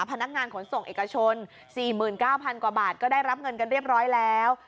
พนักงานขนส่งเอกชน๔๙๐๐กว่าบาทก็ได้รับเงินกันเรียบร้อยแล้ว